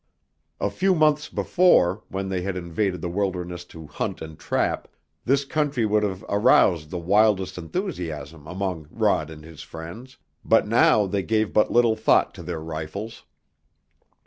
A few months before, when they had invaded the wilderness to hunt and trap, this country would have aroused the wildest enthusiasm among Rod and his friends, but now they gave but little thought to their rifles.